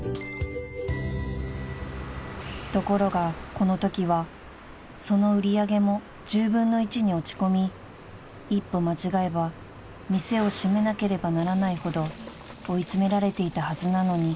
［ところがこのときはその売り上げも１０分の１に落ち込み一歩間違えば店を閉めなければならないほど追い詰められていたはずなのに］